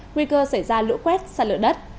nguy cơ xảy ra lũ quét xa lửa đất